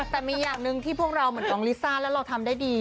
แต่มีอย่างหนึ่งที่พวกเราเหมือนน้องลิซ่าแล้วเราทำได้ดี